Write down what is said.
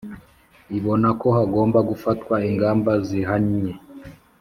ibona ko hagomba gufatwa ingamba zihamye